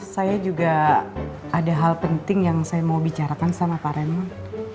saya juga ada hal penting yang saya mau bicarakan sama pak remo